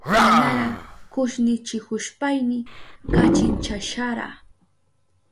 Manara kushnichihushpayni kachinchashara.